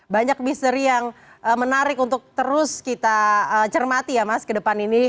banyak misteri yang menarik untuk terus kita cermati ya mas ke depan ini